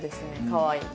かわいい。